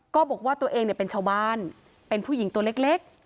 ก็บอกว่าตัวเองเป็นชาวบ้านเป็นผู้หญิงตัวเล็ก